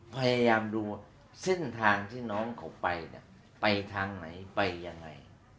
พยายามดูเส้นทางที่น้องเขาไปเนี่ยไปไปทางไหนไปยังไง